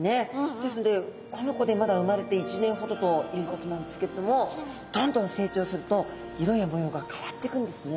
ですのでこの子でまだ生まれて１年ほどということなんですけれどもどんどん成長すると色や模様が変わってくんですね。